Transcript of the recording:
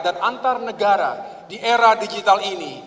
dan antar negara di era digital ini